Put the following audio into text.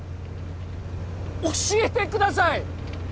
教えてください！